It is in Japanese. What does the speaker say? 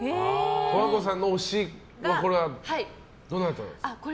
十和子さんの推しはどなたですか？